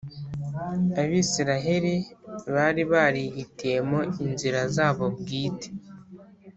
Abisiraheli bari barihitiyemo inzira zabo bwite